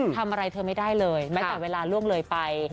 ทำอะไรเธอไม่ได้เลยแม้แต่เวลาล่วงเลยไป